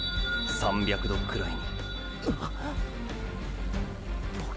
３００℃ぐらいに！！